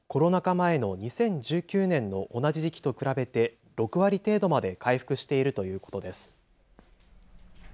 前の２０１９年の同じ時期と比べて６割程度まで回復しているということです。